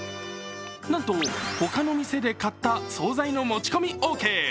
なんと、他の店で買った総菜の持ち込みオーケー。